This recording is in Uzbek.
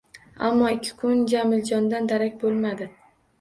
Ammo ikki kun Jamiljondan darak boʻlmadi